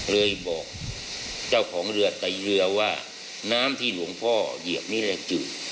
เลยบอกเจ้าของเรือไตเรือว่าน้ำที่หลวงพ่อเหยียบนี้เนี่ยจู่